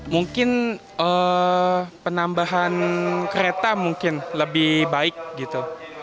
mungkin penambahan kereta mungkin lebih baik gitu